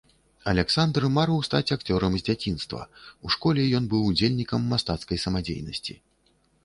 Аляксандр марыў стаць акцёрам з дзяцінства, у школе ён быў удзельнікам мастацкай самадзейнасці.